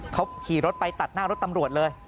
เขาขี่รถไปตัดหน้ารถตำรวจเลย